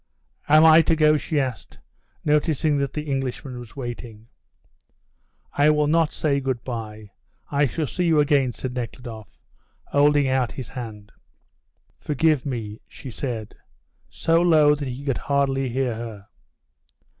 "Am I to go?" she asked, noticing that the Englishman was waiting. "I will not say good bye; I shall see you again," said Nekhludoff, holding out his hand. "Forgive me," she said so low that he could hardly hear her.